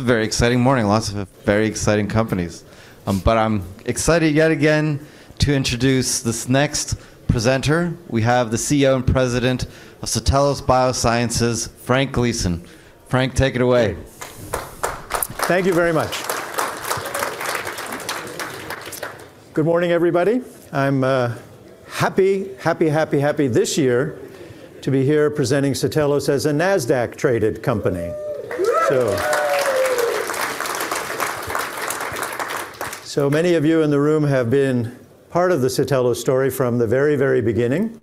It's a very exciting morning. Lots of very exciting companies. I'm excited yet again to introduce this next presenter. We have the CEO and President of Satellos Bioscience, Frank Gleeson. Frank, take it away. Thank you very much. Good morning, everybody. I'm happy this year to be here presenting Satellos as a NASDAQ-traded company. Many of you in the room have been part of the Satellos story from the very beginning.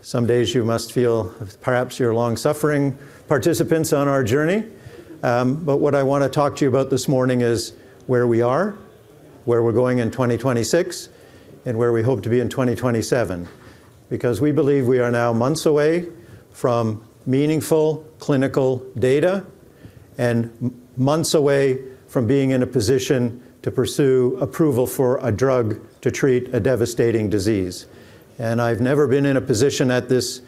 Some days you must feel perhaps you're long-suffering participants on our journey. What I want to talk to you about this morning is where we are, where we're going in 2026, and where we hope to be in 2027. We believe we are now months away from meaningful clinical data and months away from being in a position to pursue approval for a drug to treat a devastating disease. I've never been in a position at this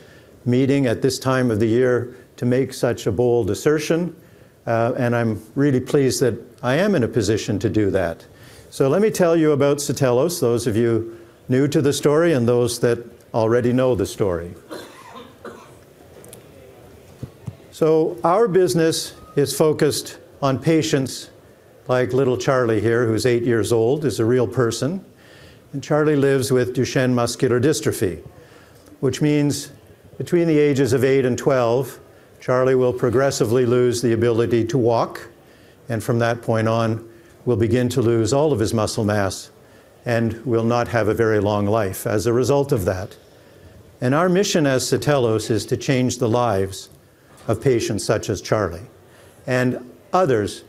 meeting, at this time of the year, to make such a bold assertion. I'm really pleased that I am in a position to do that. Let me tell you about Satellos, those of you new to the story and those that already know the story. Our business is focused on patients like little Charlie here, who's eight years old, is a real person. Charlie lives with Duchenne muscular dystrophy, which means between the ages of eight and 12, Charlie will progressively lose the ability to walk, and from that point on, will begin to lose all of his muscle mass and will not have a very long life as a result of that. Our mission as Satellos is to change the lives of patients such as Charlie and others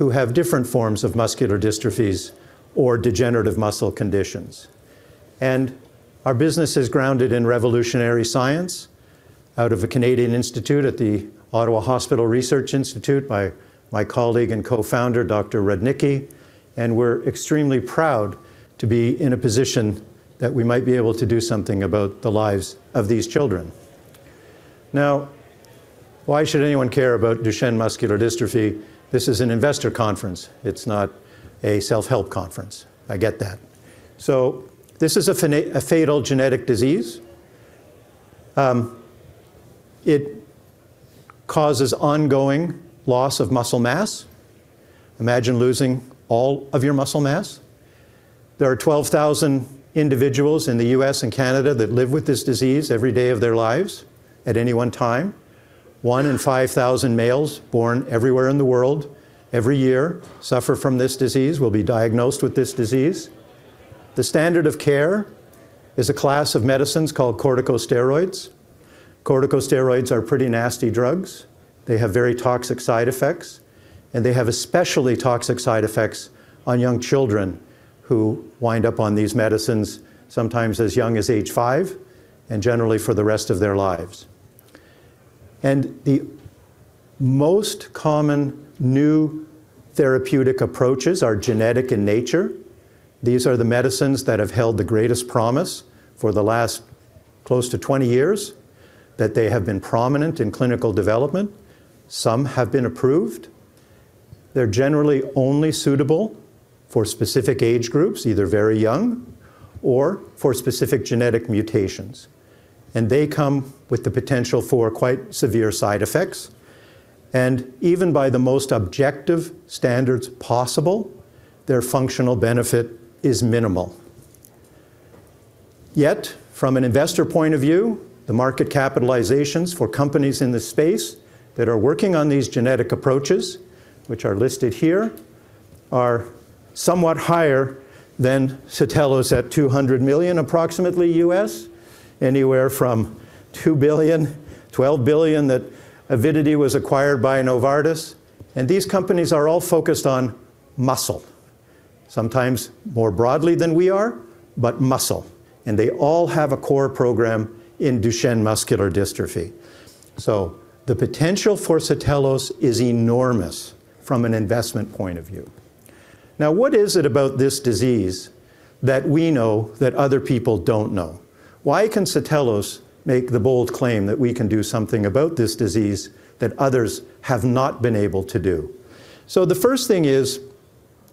who have different forms of muscular dystrophies or degenerative muscle conditions. Our business is grounded in revolutionary science out of a Canadian institute at the Ottawa Hospital Research Institute by my colleague and co-founder, Dr. Rudnicki. We're extremely proud to be in a position that we might be able to do something about the lives of these children. Now, why should anyone care about Duchenne muscular dystrophy? This is an investor conference. It's not a self-help conference. I get that. This is a fatal genetic disease. It causes ongoing loss of muscle mass. Imagine losing all of your muscle mass. There are 12,000 individuals in the U.S. and Canada that live with this disease every day of their lives at any one time. One in 5,000 males born everywhere in the world every year suffer from this disease, will be diagnosed with this disease. The standard of care is a class of medicines called corticosteroids. Corticosteroids are pretty nasty drugs. They have very toxic side effects. They have especially toxic side effects on young children who wind up on these medicines, sometimes as young as age five, and generally for the rest of their lives. The most common new therapeutic approaches are genetic in nature. These are the medicines that have held the greatest promise for the last close to 20 years that they have been prominent in clinical development. Some have been approved. They're generally only suitable for specific age groups, either very young or for specific genetic mutations. They come with the potential for quite severe side effects. Even by the most objective standards possible, their functional benefit is minimal. Yet, from an investor point of view, the market capitalizations for companies in this space that are working on these genetic approaches, which are listed here, are somewhat higher than Satellos at $200 million, approximately US. Anywhere from $2 billion, $12 billion, that Avidity was acquired by Novartis. These companies are all focused on muscle, sometimes more broadly than we are, but muscle. They all have a core program in Duchenne muscular dystrophy. The potential for Satellos is enormous from an investment point of view. Now, what is it about this disease that we know that other people don't know? Why can Satellos make the bold claim that we can do something about this disease that others have not been able to do? The first thing is,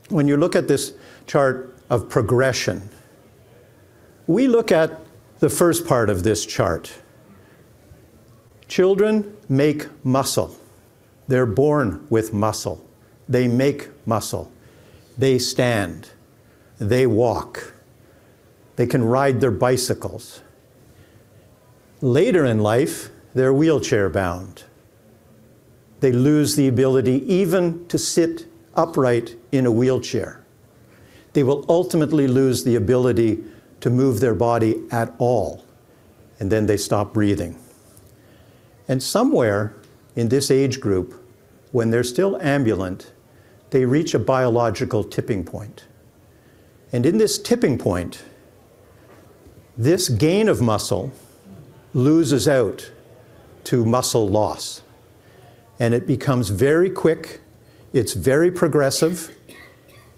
when you look at this chart of progression, we look at the first part of this chart. Children make muscle. They're born with muscle. They make muscle. They stand. They walk. They can ride their bicycles. Later in life, they're wheelchair-bound. They lose the ability even to sit upright in a wheelchair. They will ultimately lose the ability to move their body at all, and then they stop breathing. Somewhere in this age group, when they're still ambulant, they reach a biological tipping point. In this tipping point, this gain of muscle loses out to muscle loss, and it becomes very quick, it's very progressive,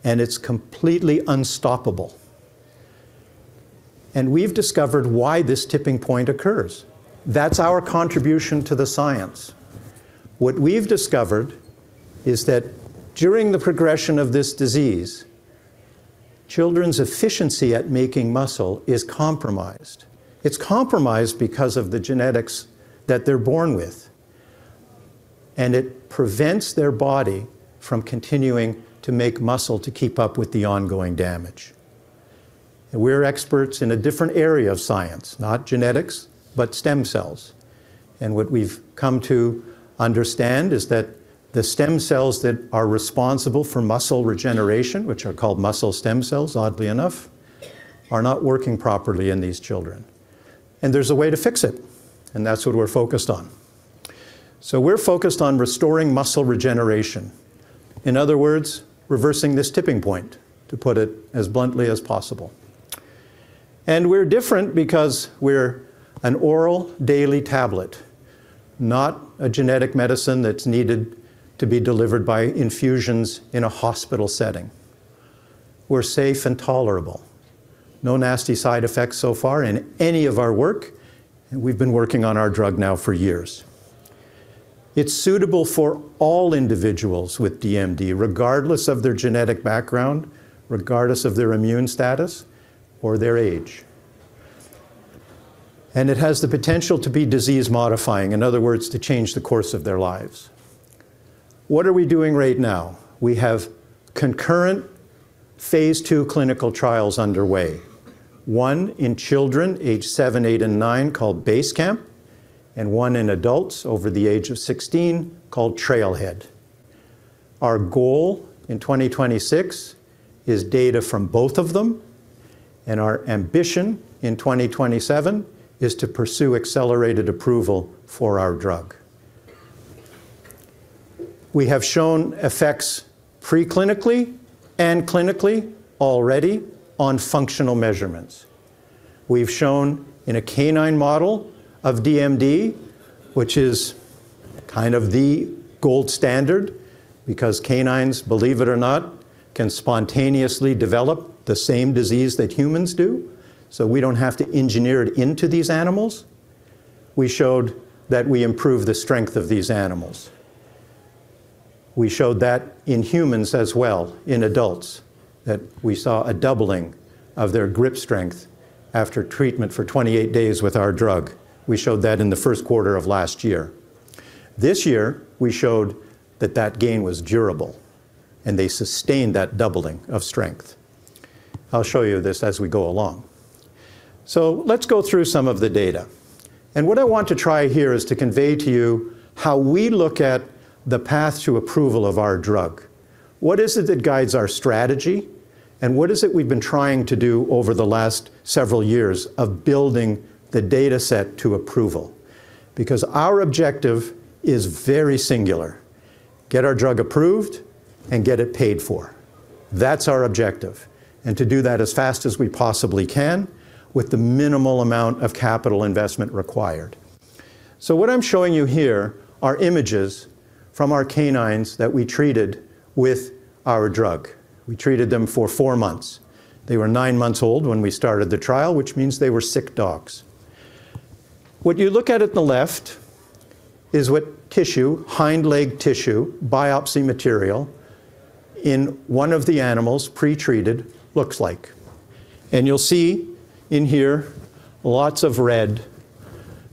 and it's completely unstoppable. We've discovered why this tipping point occurs. That's our contribution to the science. What we've discovered is that during the progression of this disease, children's efficiency at making muscle is compromised. It's compromised because of the genetics that they're born with, and it prevents their body from continuing to make muscle to keep up with the ongoing damage. We're experts in a different area of science, not genetics, but stem cells. What we've come to understand is that the stem cells that are responsible for muscle regeneration, which are called muscle stem cells, oddly enough, are not working properly in these children. There's a way to fix it, and that's what we're focused on. We're focused on restoring muscle regeneration. In other words, reversing this tipping point, to put it as bluntly as possible. We're different because we're an oral daily tablet, not a genetic medicine that's needed to be delivered by infusions in a hospital setting. We're safe and tolerable. No nasty side effects so far in any of our work, we've been working on our drug now for years. It's suitable for all individuals with DMD, regardless of their genetic background, regardless of their immune status or their age. It has the potential to be disease-modifying, in other words, to change the course of their lives. What are we doing right now? We have concurrent phase II clinical trials underway, one in children aged seven, eight, and nine called BASECAMP, and one in adults over the age of 16 called TRAILHEAD. Our goal in 2026 is data from both of them, our ambition in 2027 is to pursue accelerated approval for our drug. We have shown effects pre-clinically and clinically already on functional measurements. We've shown in a canine model of DMD, which is kind of the gold standard because canines, believe it or not, can spontaneously develop the same disease that humans do, so we don't have to engineer it into these animals. We showed that we improve the strength of these animals. We showed that in humans as well, in adults, that we saw a doubling of their grip strength after treatment for 28 days with our drug. We showed that in the first quarter of last year. This year, we showed that that gain was durable, and they sustained that doubling of strength. I'll show you this as we go along. Let's go through some of the data. What I want to try here is to convey to you how we look at the path to approval of our drug. What is it that guides our strategy, and what is it we've been trying to do over the last several years of building the dataset to approval? Because our objective is very singular: Get our drug approved and get it paid for. That's our objective. To do that as fast as we possibly can with the minimal amount of capital investment required. What I'm showing you here are images from our canines that we treated with our drug. We treated them for four months. They were nine months old when we started the trial, which means they were sick dogs. What you look at on the left is what tissue, hind leg tissue, biopsy material in one of the animals pre-treated looks like. You'll see in here lots of red.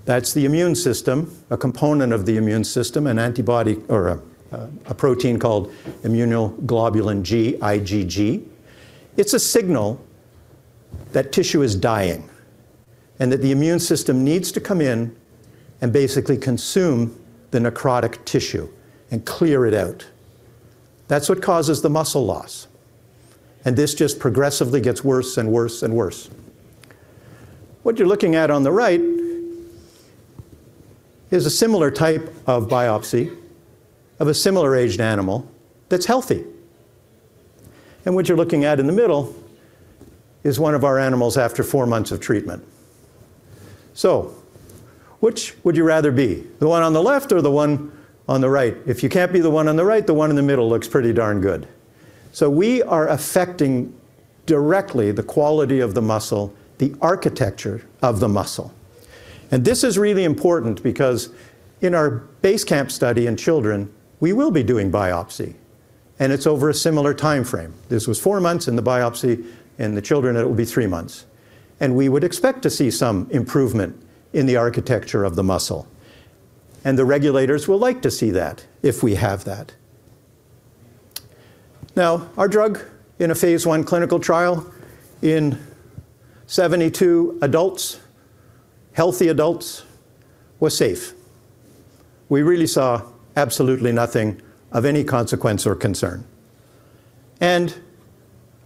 That's the immune system, a component of the immune system, an antibody or a protein called Immunoglobulin G, IgG. It's a signal that tissue is dying and that the immune system needs to come in and basically consume the necrotic tissue and clear it out. That's what causes the muscle loss, and this just progressively gets worse and worse and worse. What you're looking at on the right is a similar type of biopsy of a similar aged animal that's healthy. What you're looking at in the middle is one of our animals after four months of treatment. Which would you rather be? The one on the left or the one on the right? If you can't be the one on the right, the one in the middle looks pretty darn good. We are affecting directly the quality of the muscle, the architecture of the muscle. This is really important because in our BASECAMP study in children, we will be doing biopsy, and it's over a similar timeframe. This was 4 months, in the biopsy in the children, it will be 3 months. We would expect to see some improvement in the architecture of the muscle. The regulators will like to see that if we have that. Our drug in a phase I clinical trial in 72 adults, healthy adults, was safe. We really saw absolutely nothing of any consequence or concern.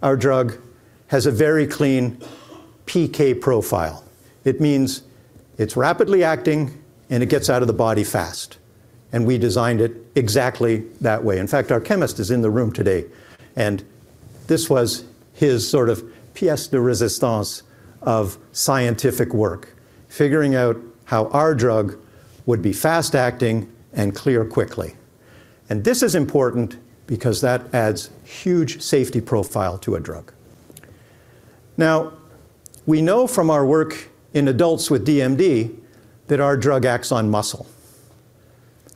Our drug has a very clean PK profile. It means it's rapidly acting, and it gets out of the body fast, and we designed it exactly that way. In fact, our chemist is in the room today, this was his sort of pièce de résistance of scientific work, figuring out how our drug would be fast-acting and clear quickly. This is important because that adds huge safety profile to a drug. Now, we know from our work in adults with DMD that our drug acts on muscle.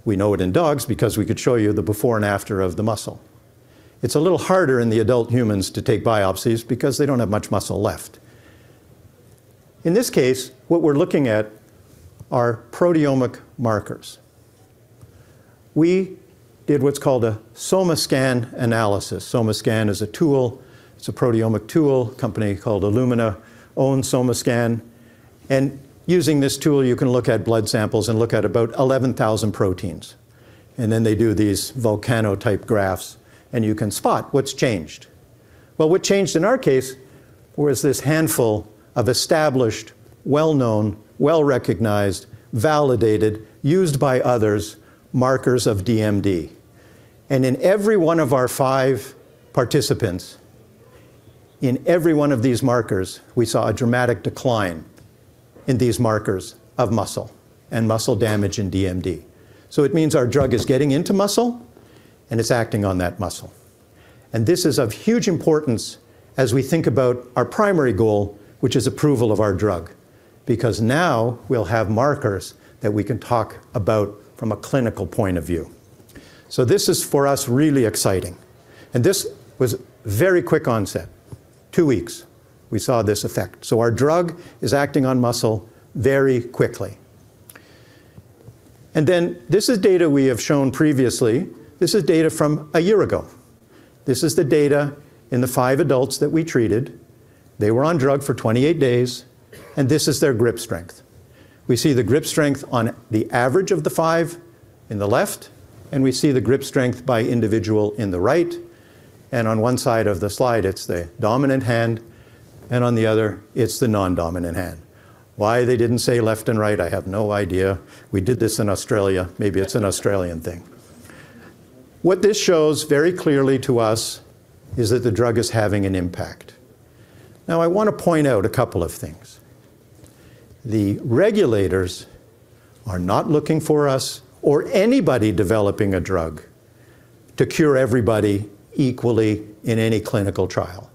We know it in dogs because we could show you the before and after of the muscle. It's a little harder in the adult humans to take biopsies because they don't have much muscle left. In this case, what we're looking at are proteomic markers. We did what's called a SomaScan analysis. SomaScan is a tool. It's a proteomic tool, company called Illumina, Inc. owns SomaScan, using this tool, you can look at blood samples and look at about 11,000 proteins, then they do these volcano type graphs, and you can spot what's changed. Well, what changed in our case was this handful of established, well-known, well-recognized, validated, used-by-others markers of DMD. In every one of our five participants, in every one of these markers, we saw a dramatic decline in these markers of muscle and muscle damage in DMD. It means our drug is getting into muscle, and it's acting on that muscle. This is of huge importance as we think about our primary goal, which is approval of our drug, because now we'll have markers that we can talk about from a clinical point of view. This is for us, really exciting. This was very quick onset. 2 weeks, we saw this effect. Our drug is acting on muscle very quickly. This is data we have shown previously. This is data from a year ago. This is the data in the five adults that we treated. They were on drug for 28 days, and this is their grip strength. We see the grip strength on the average of the five in the left, and we see the grip strength by individual in the right, and on one side of the slide, it's the dominant hand, and on the other, it's the non-dominant hand. Why they didn't say left and right, I have no idea. We did this in Australia. Maybe it's an Australian thing. What this shows very clearly to us is that the drug is having an impact. I want to point out a couple of things. The regulators are not looking for us or anybody developing a drug to cure everybody equally in any clinical trial.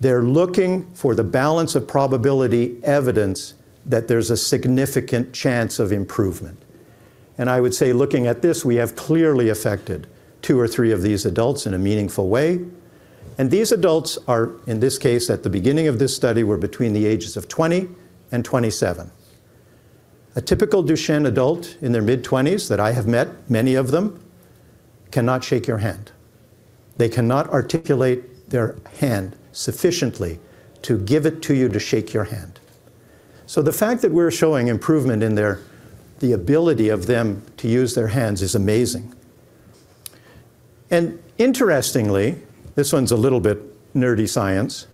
They're looking for the balance of probability evidence that there's a significant chance of improvement. I would say, looking at this, we have clearly affected two or three of these adults in a meaningful way. These adults are, in this case, at the beginning of this study, were between the ages of 20 and 27. A typical Duchenne adult in their mid-20s that I have met, many of them, cannot shake your hand. They cannot articulate their hand sufficiently to give it to you to shake your hand. The fact that we're showing improvement in the ability of them to use their hands is amazing. Interestingly, this one's a little bit nerdy science,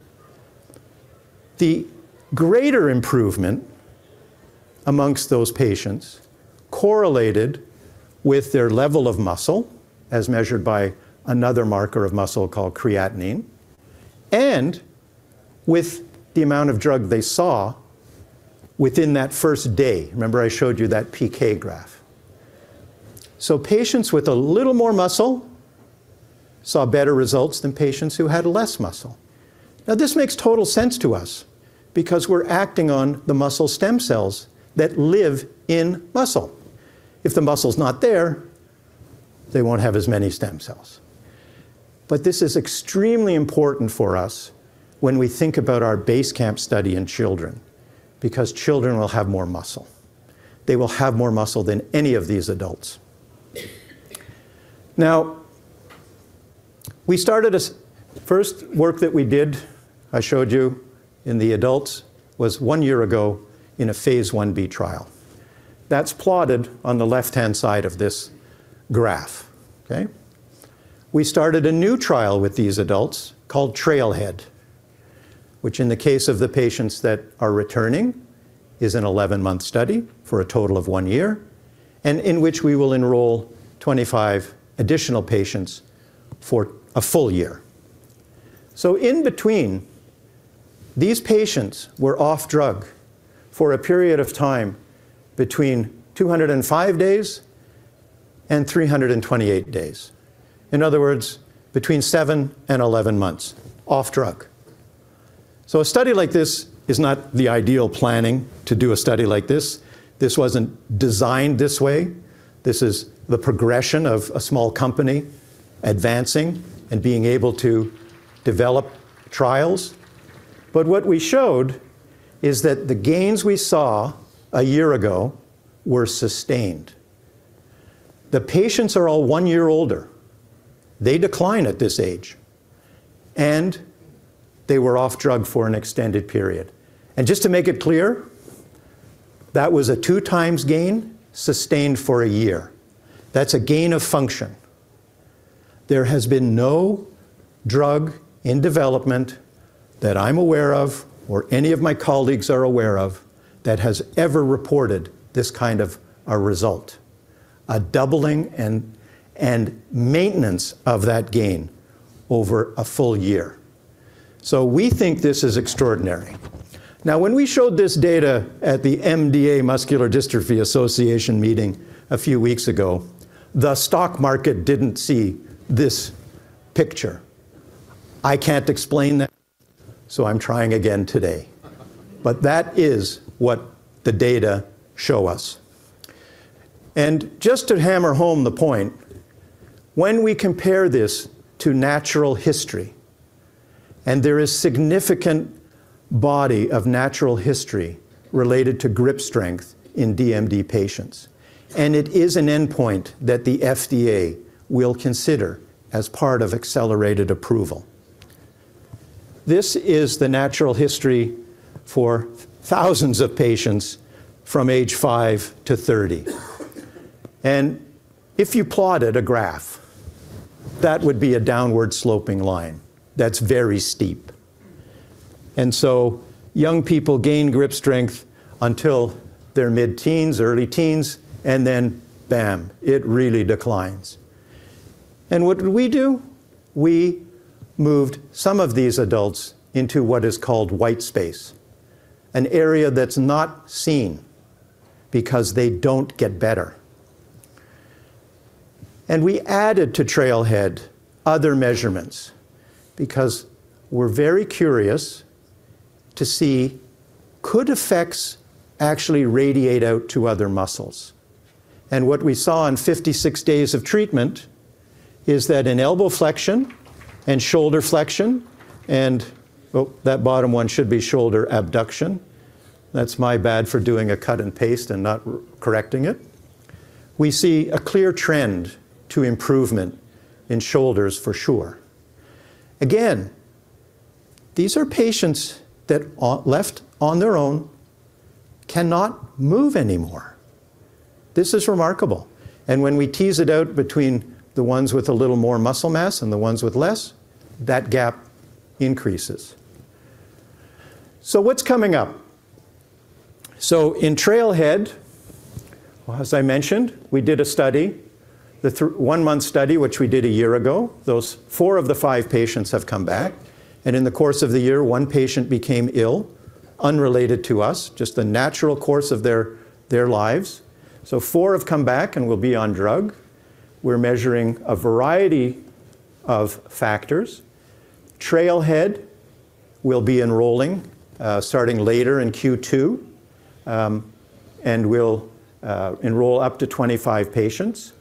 the greater improvement amongst those patients correlated with their level of muscle, as measured by another marker of muscle called creatinine, and with the amount of drug they saw within that first day. Remember I showed you that PK graph. Patients with a little more muscle saw better results than patients who had less muscle. This makes total sense to us because we're acting on the muscle stem cells that live in muscle. If the muscle's not there, they won't have as many stem cells. This is extremely important for us when we think about our BASECAMP study in children, because children will have more muscle. They will have more muscle than any of these adults. First work that we did, I showed you in the adults, was one year ago in a phase I-B trial. That's plotted on the left-hand side of this graph. We started a new trial with these adults called TRAILHEAD, which, in the case of the patients that are returning, is an 11-month study for a total of one year, and in which we will enroll 25 additional patients for a full year. In between, these patients were off drug for a period of time between 205 days and 328 days. In other words, between seven and 11 months off drug. A study like this is not the ideal planning to do a study like this. This wasn't designed this way. This is the progression of a small company advancing and being able to develop trials. What we showed is that the gains we saw a year ago were sustained. The patients are all one year older. They decline at this age. They were off drug for an extended period. Just to make it clear, that was a two times gain sustained for a year. That's a gain of function. There has been no drug in development that I'm aware of or any of my colleagues are aware of that has ever reported this kind of a result, a doubling and maintenance of that gain over a full year. We think this is extraordinary. When we showed this data at the MDA Muscular Dystrophy Association meeting a few weeks ago, the stock market didn't see this picture. I can't explain that, so I'm trying again today. That is what the data show us. Just to hammer home the point, when we compare this to natural history, there is significant body of natural history related to grip strength in DMD patients, and it is an endpoint that the FDA will consider as part of accelerated approval. This is the natural history for thousands of patients from age five to 30. If you plotted a graph, that would be a downward sloping line that's very steep. Young people gain grip strength until their mid-teens, early teens, then bam, it really declines. What did we do? We moved some of these adults into what is called white space, an area that's not seen because they don't get better. We added to TRAILHEAD other measurements, because we're very curious to see could effects actually radiate out to other muscles. What we saw in 56 days of treatment is that an elbow flexion and shoulder flexion. Oh, that bottom one should be shoulder abduction. That's my bad for doing a cut and paste and not correcting it. We see a clear trend to improvement in shoulders for sure. Again, these are patients that left on their own, cannot move anymore. This is remarkable. When we tease it out between the ones with a little more muscle mass and the ones with less, that gap increases. What's coming up? In TRAILHEAD, as I mentioned, we did a study, the one-month study, which we did a year ago. Those four of the five patients have come back, and in the course of the year, one patient became ill, unrelated to us, just the natural course of their lives. Four have come back and will be on drug. We're measuring a variety of factors. TRAILHEAD will be enrolling starting later in Q2, and we'll enroll up to 25 patients.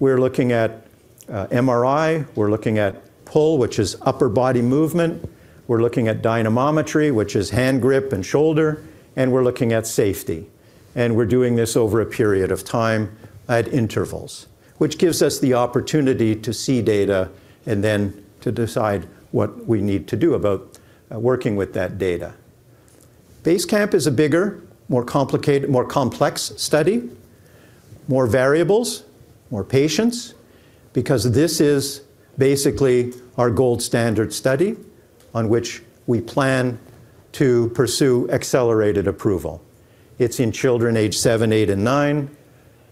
We're looking at MRI, we're looking at PUL, which is upper body movement. We're looking at dynamometry, which is hand grip and shoulder, and we're looking at safety. We're doing this over a period of time at intervals, which gives us the opportunity to see data and then to decide what we need to do about working with that data. BASECAMP is a bigger, more complex study, more variables, more patients, because this is basically our gold standard study on which we plan to pursue accelerated approval. It's in children aged seven, eight, and nine,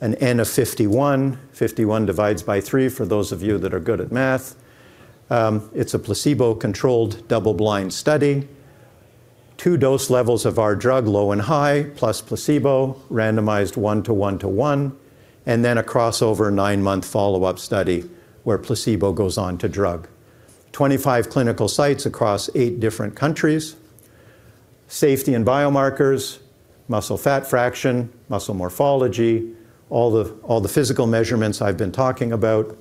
an N of 51. 51 divides by three for those of you that are good at math. It's a placebo-controlled, double-blind study. Two dose levels of our drug, low and high, plus placebo, randomized one to one to one, then a crossover nine-month follow-up study where placebo goes on to drug. 25 clinical sites across eight different countries. Safety and biomarkers, muscle fat fraction, muscle morphology, all the physical measurements I've been talking about.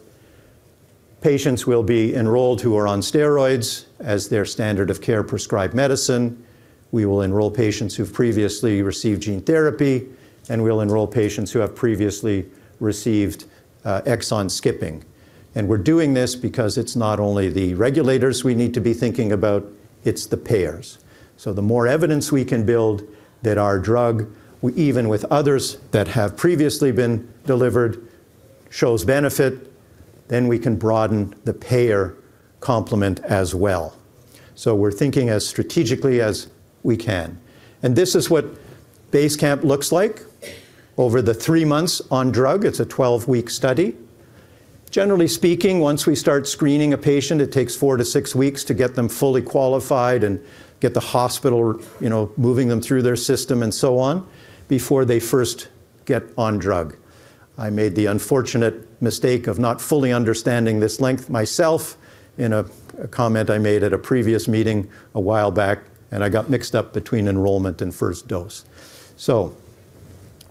Patients will be enrolled who are on steroids as their standard of care prescribed medicine. We will enroll patients who've previously received gene therapy, we'll enroll patients who have previously received exon skipping. We're doing this because it's not only the regulators we need to be thinking about, it's the payers. The more evidence we can build that our drug, even with others that have previously been delivered, shows benefit, then we can broaden the payer complement as well. We're thinking as strategically as we can. This is what BASECAMP looks like over the 3 months on drug. It's a 12-week study. Generally speaking, once we start screening a patient, it takes 4 to 6 weeks to get them fully qualified and get the hospital moving them through their system and so on before they first get on drug. I made the unfortunate mistake of not fully understanding this length myself in a comment I made at a previous meeting a while back. I got mixed up between enrollment and first dose.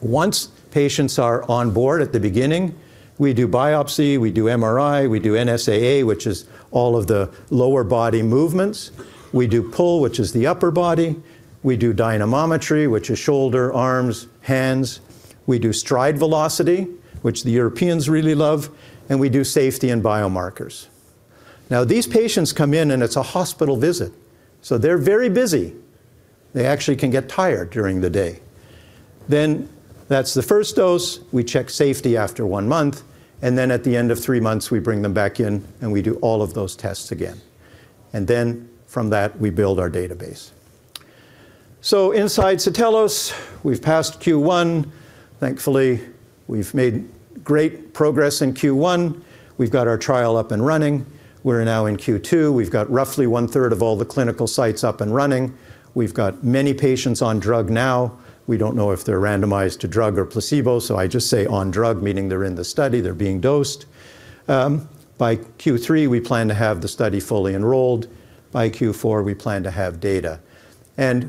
Once patients are on board at the beginning, we do biopsy, we do MRI, we do NSAA, which is all of the lower body movements. We do PUL, which is the upper body. We do dynamometry, which is shoulder, arms, hands. We do stride velocity, which the Europeans really love, and we do safety and biomarkers. These patients come in. It's a hospital visit. They're very busy. They actually can get tired during the day. That's the first dose. We check safety after one month. At the end of 3 months, we bring them back in and we do all of those tests again. From that, we build our database. Inside Satellos, we've passed Q1. Thankfully, we've made great progress in Q1. We've got our trial up and running. We're now in Q2. We've got roughly one-third of all the clinical sites up and running. We've got many patients on drug now. We don't know if they're randomized to drug or placebo, so I just say on drug, meaning they're in the study, they're being dosed. By Q3, we plan to have the study fully enrolled. By Q4, we plan to have data.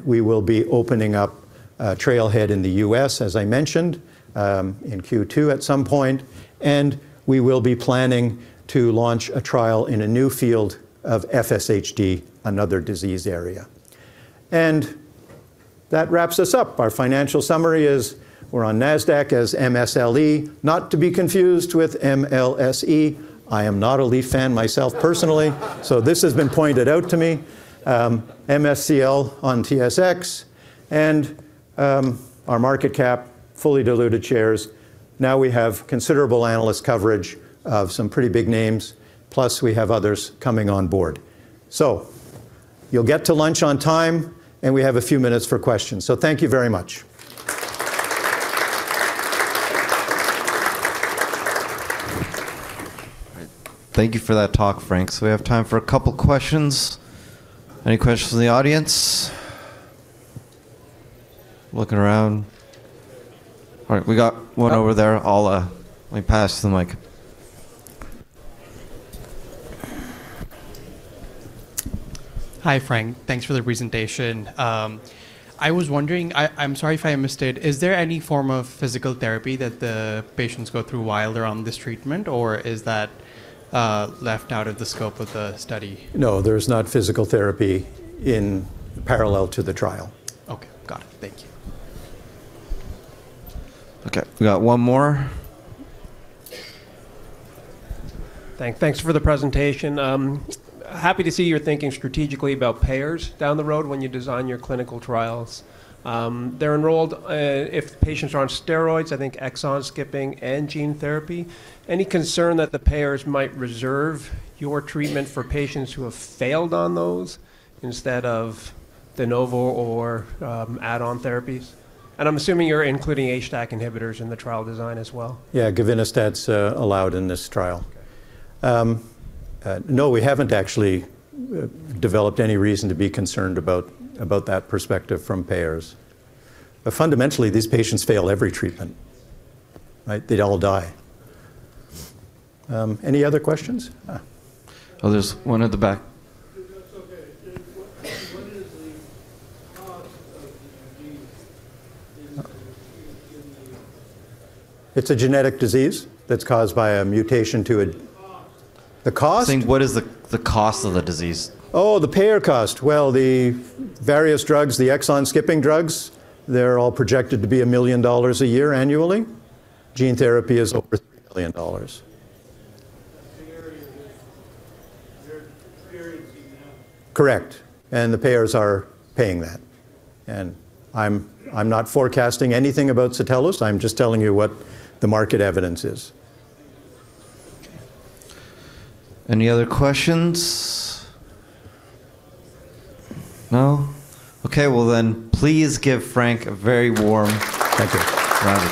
We will be opening up a TRAILHEAD in the U.S., as I mentioned, in Q2 at some point. We will be planning to launch a trial in a new field of FSHD, another disease area. That wraps us up. Our financial summary is we're on NASDAQ as MSLE, not to be confused with MLSE. I am not a Leaf fan myself personally. This has been pointed out to me. MSCL on TSX, our market cap, fully diluted shares. We have considerable analyst coverage of some pretty big names, plus we have others coming on board. You'll get to lunch on time. We have a few minutes for questions. Thank you very much. Thank you for that talk, Frank. We have time for a couple of questions. Any questions from the audience? Looking around. We got one over there. Let me pass the mic. Hi, Frank. Thanks for the presentation. I was wondering, I'm sorry if I missed it. Is there any form of physical therapy that the patients go through while they're on this treatment, or is that left out of the scope of the study? No, there's not physical therapy in parallel to the trial. Okay. Got it. Thank you. Okay, we got one more. Thank you. Thanks for the presentation. Happy to see you're thinking strategically about payers down the road when you design your clinical trials. They're enrolled if patients are on corticosteroids, I think exon skipping and gene therapy. Any concern that the payers might reserve your treatment for patients who have failed on those instead of de novo or add-on therapies? I'm assuming you're including HDAC inhibitors in the trial design as well? Yeah, givinostat's allowed in this trial. Okay. No, we haven't actually developed any reason to be concerned about that perspective from payers. Fundamentally, these patients fail every treatment, right? They'd all die. Any other questions? There's one at the back. That's okay. What is the cause of the disease? It's a genetic disease that's caused by a mutation. The cost. The cost? He's saying, what is the cost of the disease? Oh, the payer cost. Well, the various drugs, the exon skipping drugs, they're all projected to be 1 million dollars a year annually. Gene therapy is over 3 million dollars. That the payer is experiencing now? Correct. The payers are paying that, and I'm not forecasting anything about Satellos. I'm just telling you what the market evidence is. Any other questions? No? Okay, well then, please give Frank a very warm- Thank you.